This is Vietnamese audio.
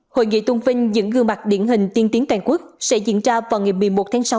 hội nghị tôn vinh những gương mặt điển hình tiên tiến toàn quốc sẽ diễn ra vào ngày một mươi một tháng sáu